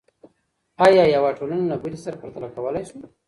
آیا یوه ټولنه له بلې سره پرتله کولی سو؟